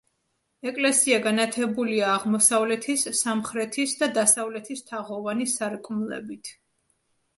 ეკლესია განათებულია აღმოსავლეთის, სამხრეთის და დასავლეთის თაღოვანი სარკმლებით.